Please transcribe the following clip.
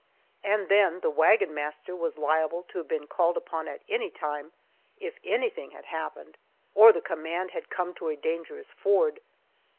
And then the wagon master was liable to have been called upon at any time, if anything had happened, or the command had come to a dangerous ford.